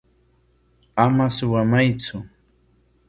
Ama suwamaytsu.